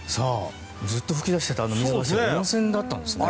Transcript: ずっと噴き出していたあの水柱は温泉だったんですね。